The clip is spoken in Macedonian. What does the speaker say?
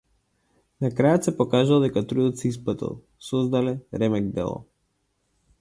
На крајот се покажало дека трудот се исплател создале ремек дело!